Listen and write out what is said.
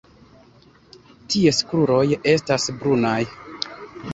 Ties kruroj estas brunaj.